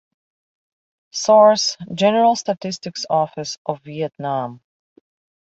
Source: General Statistics Office of Vietnam.